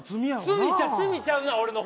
罪ちゃうな俺の方。